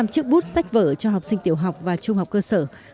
ba trăm linh chiếc bút sách vở cho học sinh tiểu học và trung học cơ sở